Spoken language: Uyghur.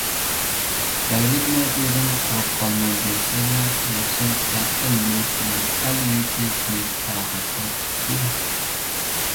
بەگلىك مەرتىۋىدىن قۇرۇق قالماي دېسىلە، ياخشىلىقچە ئەل بولۇش بىلەن ئەل - يۇرتنى تىنچ - پاراغەتتە تۇتسىلا!